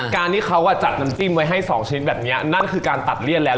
การที่เขาจัดน้ำจิ้มไว้ให้๒ชิ้นแบบนี้นั่นคือการตัดเลี่ยนแล้ว